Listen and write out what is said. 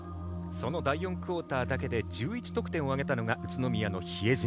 その第４クオーターだけで１１得点を挙げたのが宇都宮の比江島。